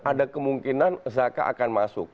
ada kemungkinan zaka akan masuk